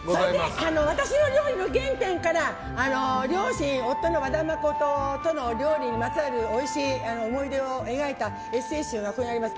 私の料理の原点から両親、夫の和田誠さんとの料理にまつわるおいしい思い出を描いたエッセー集がここにあります。